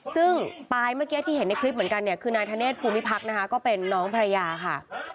ซึ่งปลายเมื่อกี้ที่เห็นในคลิปเหมือนกันเนี่ยคือนายธเนธภูมิพักนะคะก็เป็นน้องภรรยาค่ะ